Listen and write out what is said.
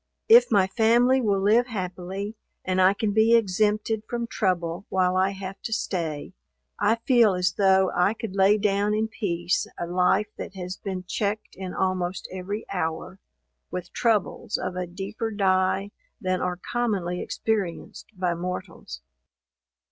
If my family will live happily, and I can be exempted from trouble while I have to stay, I feel as though I could lay down in peace a life that has been checked in almost every hour, with troubles of a deeper dye, than are commonly experienced by mortals.